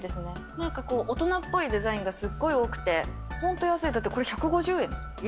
なんかこう、大人っぽいデザインがすっごい多くて、本当安い、だってこれ１５０円。え？